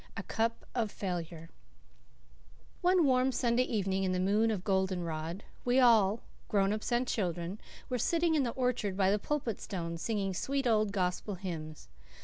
A CUP OF FAILURE One warm Sunday evening in the moon of golden rod, we all, grown ups and children, were sitting in the orchard by the Pulpit Stone singing sweet old gospel hymns.